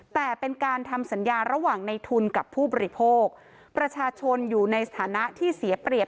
แต่เป็นการทำสัญญาระหว่างในทุนกับผู้บริโภคประชาชนอยู่ในสถานะที่เสียเปรียบ